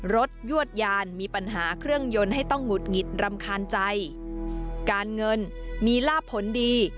ยวดยานมีปัญหาเครื่องยนต์ให้ต้องหุดหงิดรำคาญใจการเงินมีลาบผลดี